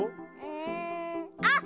んあっ